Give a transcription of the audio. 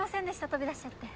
飛び出しちゃって。